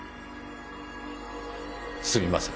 すみません。